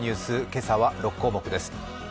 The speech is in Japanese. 今朝は６項目です。